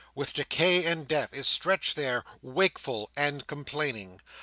—with decay and death, is stretched there, wakeful and complaining.